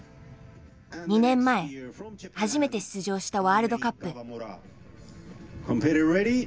２年前初めて出場したワールドカップ。